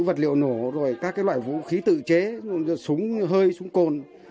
chữ vật liệu nổ rồi các cái loại vũ khí tự chế súng hơi súng cồn